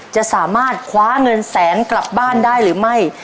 จะสามารถคว้าเงินแสนกลับบ้านได้หรือไม่